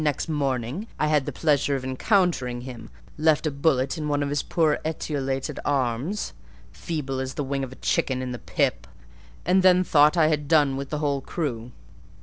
Next morning I had the pleasure of encountering him; left a bullet in one of his poor etiolated arms, feeble as the wing of a chicken in the pip, and then thought I had done with the whole crew.